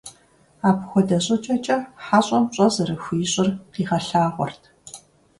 Апхуэдэ щӀыкӀэкӀэ хьэщӀэм пщӀэ зэрыхуищӀыр къигъэлъагъуэрт.